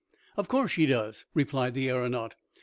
"Of course she does," replied the aeronaut.